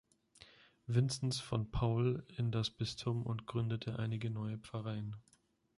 Vinzenz von Paul in das Bistum und gründete einige neue Pfarreien.